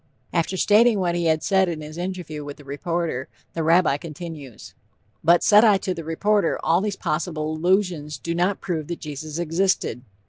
"_ After stating what he had said in his interview with the reporter, the Rabbi continues: "But said I to the reporter all these possible allusions do not prove that Jesus existed....